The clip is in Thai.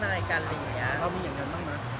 มีอย่างนั้นบ้างไหม